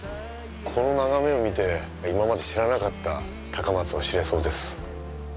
この眺めを見て今まで知らなかった高松を知れそうです。